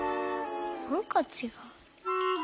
なんかちがう。